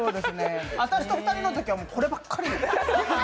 私と２人ときはこればっかり。